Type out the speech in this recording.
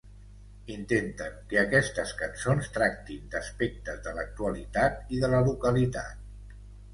Intenten que aquestes cançons tractin d’aspectes de l'actualitat i de la localitat.